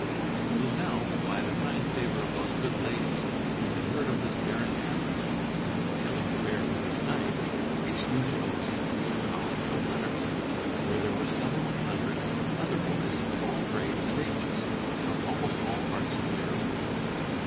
He was now, by the kind favor of those good ladies who had heard of his daring address in killing the bear with his knife, a student of the San Diego College of Letters, where there were several hundred other boys of all grades and ages, from almost all parts of the earth.